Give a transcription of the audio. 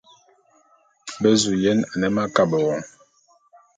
Be zu yen ane m'akabe wo.